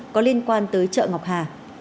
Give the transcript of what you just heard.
có liên quan tới chợ ngọc hà